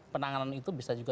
penanganan itu bisa juga